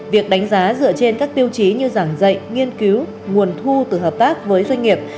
việc đánh giá dựa trên các tiêu chí như giảng dạy nghiên cứu nguồn thu từ hợp tác với doanh nghiệp